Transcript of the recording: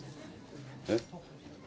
えっ？